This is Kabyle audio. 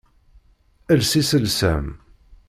Els iselsa-m!